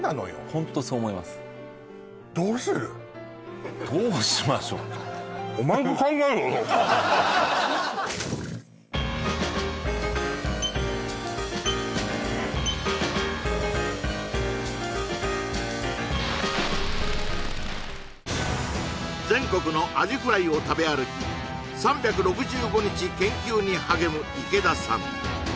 ホントそう思います全国のアジフライを食べ歩き３６５日研究に励む池田さん